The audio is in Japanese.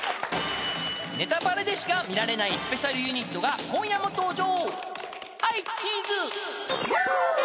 ［『ネタパレ』でしか見られないスペシャルユニットが今夜も登場！］